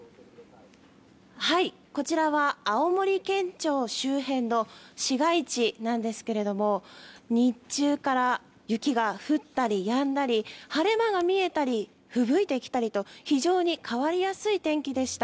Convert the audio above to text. こちらは青森県庁周辺の市街地なんですが日中から雪が降ったりやんだり晴れ間が見えたりふぶいてきたりと非常に変わりやすい天気でした。